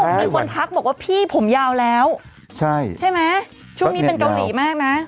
พี่หนุ่มมีคนทักบอกว่าพี่ผมยาวแล้วใช่ใช่ไหมช่วงนี้เป็นกองหลีมากไหม